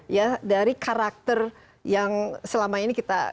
ya dari karakter yang selama ini kita